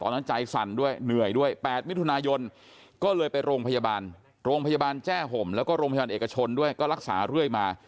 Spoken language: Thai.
ใจสั่นด้วยเหนื่อยด้วย๘มิถุนายนก็เลยไปโรงพยาบาลโรงพยาบาลแจ้ห่มแล้วก็โรงพยาบาลเอกชนด้วยก็รักษาเรื่อยมา